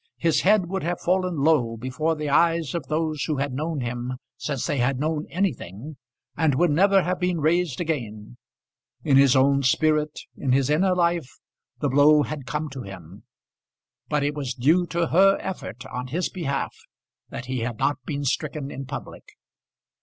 His head would have fallen low before the eyes of those who had known him since they had known anything, and would never have been raised again. In his own spirit, in his inner life, the blow had come to him; but it was due to her effort on his behalf that he had not been stricken in public.